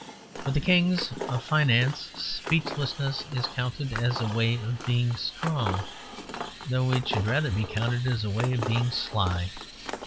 For the kings of finance speechlessness is counted a way of being strong, though it should rather be counted a way of being sly.